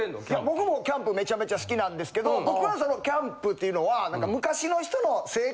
僕もキャンプめちゃめちゃ好きなんですけど僕のキャンプっていうのは。